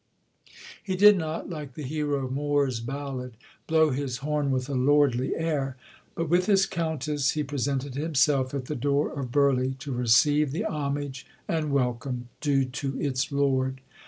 He did not, like the hero of Moore's ballad, "blow his horn with a lordly air"; but with his Countess he presented himself at the door of Burleigh to receive the homage and welcome due to its lord.